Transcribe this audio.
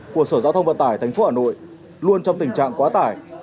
của sở giao thông vận tải thành phố hà nội luôn trong tình trạng quá tài